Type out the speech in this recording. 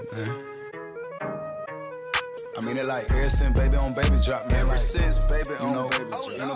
untuk mendapatkan informasi terbaru